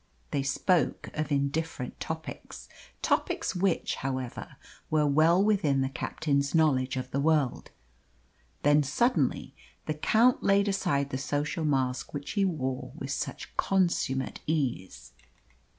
They spoke of indifferent topics topics which, however, were well within the captain's knowledge of the world. Then suddenly the Count laid aside the social mask which he wore with such consummate ease.